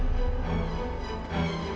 suara siapa itu